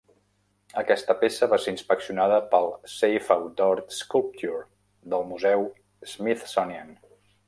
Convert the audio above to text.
Aquesta peça va ser inspeccionada pel Save Outdoor Sculpture! del museu Smithsonian.